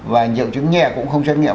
và nhiễm chứng nhẹ cũng không xét nghiệm